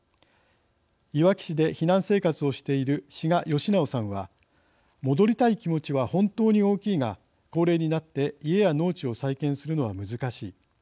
いわき市で避難生活をしている志賀義直さんは「戻りたい気持ちは本当に大きいが高齢になって家や農地を再建するのは難しい。